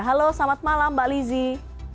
halo selamat malam mbak lizzie